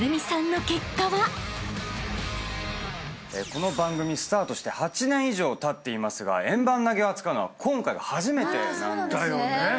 この番組スタートして８年以上たっていますが円盤投を扱うのは今回が初めてなんですよね。